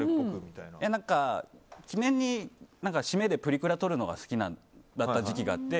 記念で締めでプリクラを撮るのが好きだった時期があって。